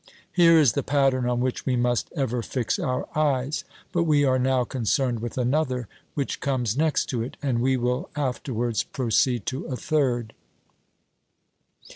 Here is the pattern on which we must ever fix our eyes; but we are now concerned with another, which comes next to it, and we will afterwards proceed to a third.